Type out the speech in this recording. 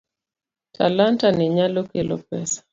Talanta ni nyalo kelo pesa.